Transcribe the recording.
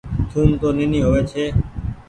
ٿوم تو نيني هووي ڇي۔